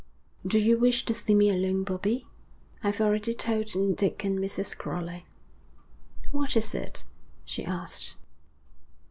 'Do you wish to see me alone, Bobbie?' 'I've already told Dick and Mrs. Crowley.' 'What is it?' she asked.